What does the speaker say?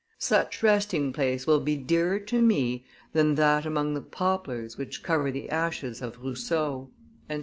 Such resting place will be dearer to me than that among the poplars which cover the ashes of Rousseau."